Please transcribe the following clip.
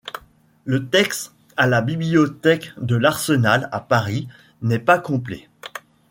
Le texte à la Bibliothèque de l'Arsenal à Paris n'est pas complet.